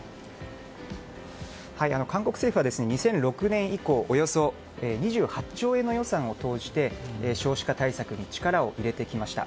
韓国政府は２００６年以降およそ２８兆円の予算を投じて少子化対策に力を入れてきました。